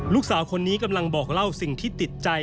ลูกสาวคนนี้กำลังบอกเล่าสิ่งที่ติดใจ